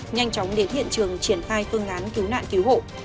nhanh chóng đến hiện trường triển khai phương án cứu nạn cứu hộ